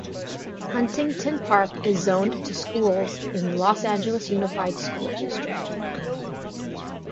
Huntington Park is zoned to schools in the Los Angeles Unified School District.